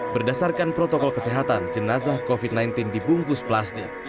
berdasarkan protokol kesehatan jenazah covid sembilan belas dibungkus plastik